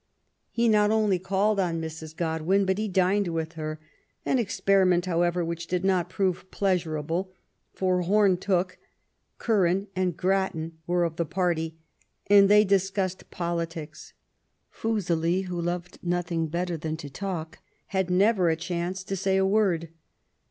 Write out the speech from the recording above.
'* He not only called on Mrs. God win, but he dined with her; an experiment, however, which did not prove pleasurable, for Home Tooke, Cur ran, and Grattan were of the party, and they discussed politics. Fuseli, who loved nothing better than to talk, had never a chance to say a word.